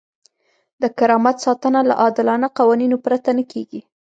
د کرامت ساتنه له عادلانه قوانینو پرته نه کیږي.